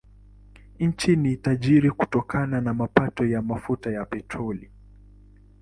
Nchi ni tajiri kutokana na mapato ya mafuta ya petroli.